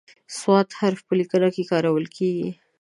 د "ص" حرف په لیکنه کې کارول کیږي.